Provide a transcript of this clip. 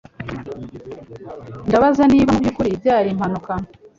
Ndabaza niba mubyukuri byari impanuka.